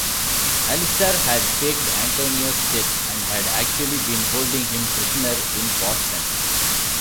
Alistair had faked Antonio's death and had actually been holding him prisoner in Boston.